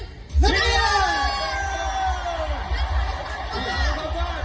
ใช่ครับ